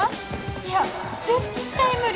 いや絶対無理！